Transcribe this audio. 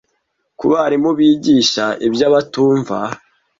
kubarimu bigisha ibyo abatumva